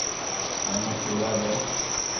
ايني کلوا دي